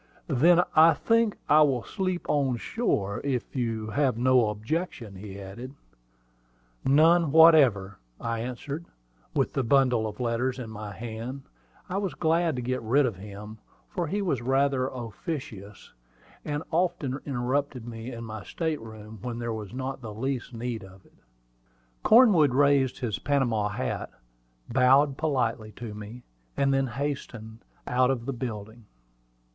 "Then I think I will sleep on shore, if you have no objection," he added. "None whatever," I answered; and with the bundle of letters in my hand, I was glad to get rid of him, for he was rather officious, and often interrupted me in my state room when there was not the least need of it. Cornwood raised his Panama hat, bowed politely to me, and then hastened out of the building.